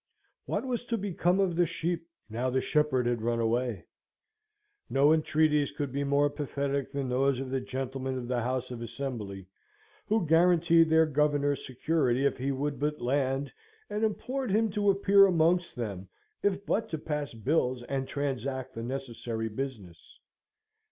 What was to become of the sheep, now the shepherd had run away? No entreaties could be more pathetic than those of the gentlemen of the House of Assembly, who guaranteed their Governor security if he would but land, and implored him to appear amongst them, if but to pass bills and transact the necessary business.